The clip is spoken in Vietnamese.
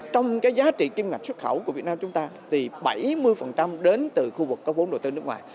trong cái giá trị kim ngạch xuất khẩu của việt nam chúng ta thì bảy mươi đến từ khu vực có vốn đầu tư nước ngoài